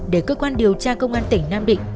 để cơ quan điều tra công an tỉnh nam định